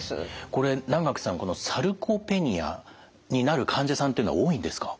これ南學さんこのサルコペニアになる患者さんっていうのは多いんですか？